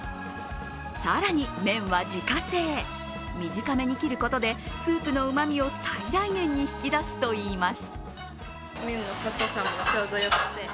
更に麺は自家製、短めに切ることでスープのうまみを最大限に引き出すといいます。